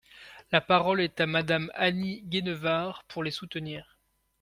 La parole est à Madame Annie Genevard, pour les soutenir.